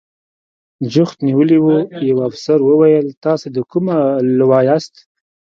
جوخت نیولي و، یوه افسر وویل: تاسې د کومې لوا یاست؟